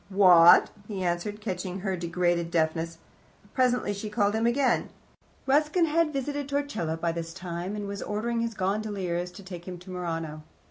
"What?" he answered, catching her degraded deafness. Presently she called him again. Ruskin had visited Torcello by this time, and was ordering his gondoliers to take him to Murano.